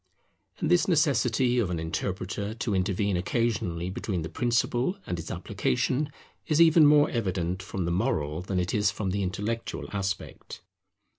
And this necessity of an interpreter to intervene occasionally between the principle and its application, is even more evident from the moral than it is from the intellectual aspect.